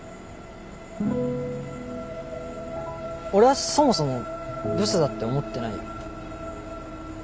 俺はそもそもブスだって思ってないよ。